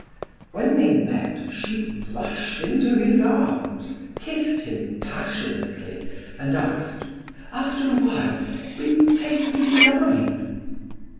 When they met, she rushed into his arms, kissed him passionately, and asked: "After a while will you take me to dine?"